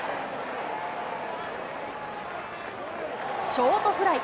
ショートフライ。